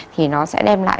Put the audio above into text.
thì nó sẽ đem lại